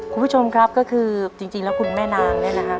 คุณผู้ชมครับก็คือจริงแล้วคุณแม่นางเนี่ยนะครับ